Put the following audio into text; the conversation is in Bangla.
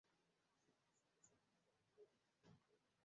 এটি "স্লিডিং ডোর" চলচ্চিত্রে ব্যবহৃত হয়েছিল।